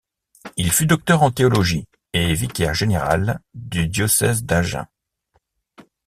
Il fut docteur en théologie, et vicaire général du diocèse d'Agen.